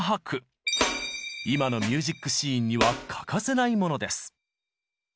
今のミュージックシーンには欠かせないものです。